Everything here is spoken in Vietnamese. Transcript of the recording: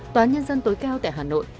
tòa nhân dân tối cao tại hà nội